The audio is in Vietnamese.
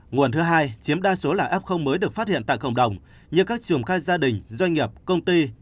nguồn thứ hai chiếm đa số là f mới được phát hiện tại cộng đồng như các trường khai gia đình doanh nghiệp công ty